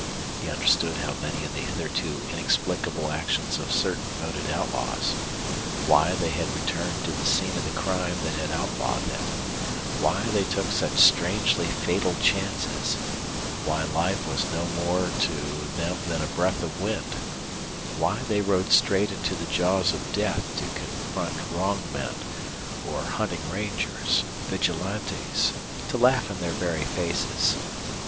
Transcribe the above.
He understood now many of the hitherto inexplicable actions of certain noted outlaws why they had returned to the scene of the crime that had outlawed them; why they took such strangely fatal chances; why life was no more to them than a breath of wind; why they rode straight into the jaws of death to confront wronged men or hunting rangers, vigilantes, to laugh in their very faces.